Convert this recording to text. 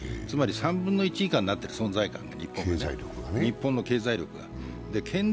つまり３分の１以下になっている、日本の経済力が。